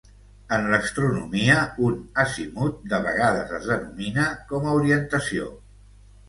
En l'astronomia, un "Azimuth" de vegades es denomina com a orientació.